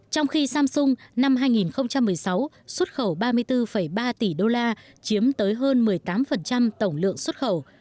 trong khi samsung năm hai nghìn một mươi sáu xuất khẩu ba mươi bốn ba tỷ đô la chiếm tới hơn một mươi tám tổng lượng xuất khẩu